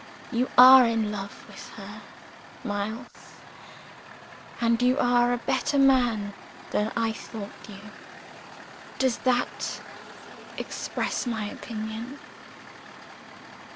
You are in love with her, Miles; and you are a better man than I thought you. Does that express my opinion?"